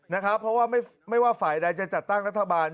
เพราะว่าไม่ว่าฝ่ายใดจะจัดตั้งรัฐบาล